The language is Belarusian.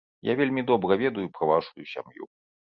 Я вельмі добра ведаю пра вашую сям'ю.